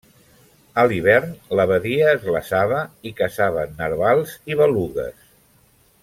A l'hivern, la badia es glaçava i caçaven narvals i belugues.